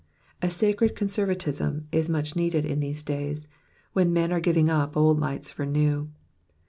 A sacred conservatism is much needed in these days, when men are giving up old lights for new.